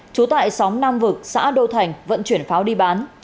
trú tại xóm nam vực xã đô thành vận chuyển pháo đi bán